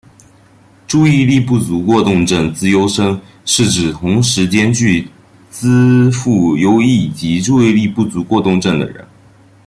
注意力不足过动症资优生是指同时兼具资赋优异及注意力不足过动症的人。